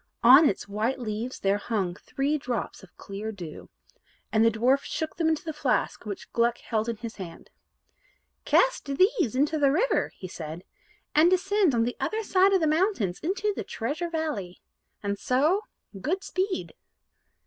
On its white leaves there hung three drops of clear dew. And the dwarf shook them into the flask which Gluck held in his hand. "Cast these into the river," he said, "and descend on the other side of the mountains into the Treasure Valley. And so good speed."